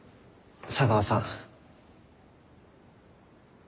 茶川さん。